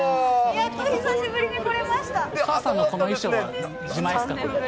やっと久しぶりに来れました。